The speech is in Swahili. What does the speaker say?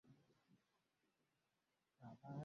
vile taasisi kwa mfano vyama vya kisiasa